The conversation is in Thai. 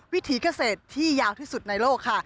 วิถีเกษตรที่ยาวที่สุดในโลกค่ะ